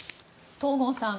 東郷さん